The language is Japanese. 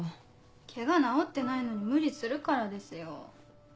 ケガ治ってないのに無理するからですよ。